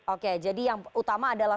oke jadi yang utama adalah